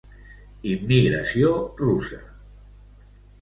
Immigració russa a Espanya.